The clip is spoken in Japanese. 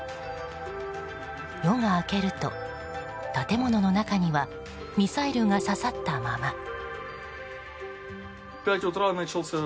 夜が明けると、建物の中にはミサイルが刺さったまま。